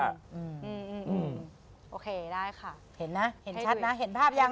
เห็นนะเห็นชัดนะเห็นภาพยัง